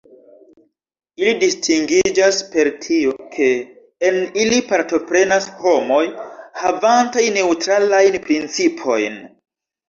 Ili distingiĝas per tio, ke en ili partoprenas homoj, havantaj neŭtralajn principojn.